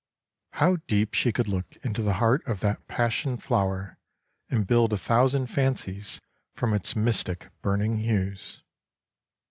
How deep she could look into the heart of that passion flower and build a thousand fancies from its mystic burning hues.